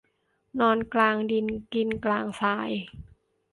นอนกลางดินกินกลางทราย